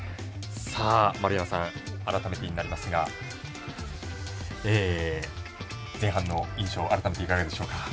丸山さん、改めてになりますが前半の印象はいかがでしょうか？